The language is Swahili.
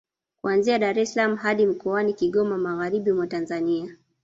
Kuanzia Dar es salaam hadi mkoani Kigoma magharibi mwa Tanzania